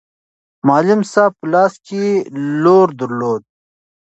معلم صاحب په لاس کې لور درلود.